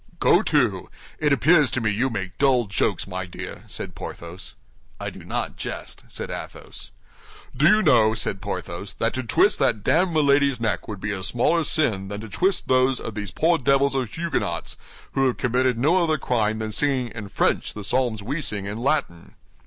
"Go to! It appears to me you make dull jokes, my dear," said Porthos. "I do not jest," said Athos. "Do you know," said Porthos, "that to twist that damned Milady's neck would be a smaller sin than to twist those of these poor devils of Huguenots, who have committed no other crime than singing in French the psalms we sing in Latin?"